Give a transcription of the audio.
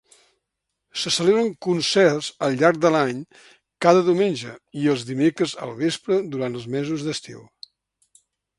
Se celebren concerts al llarg de l'any cada diumenge i els dimecres al vespre durant els mesos d'estiu.